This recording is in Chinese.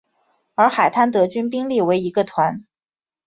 而海滩德军兵力为一个团。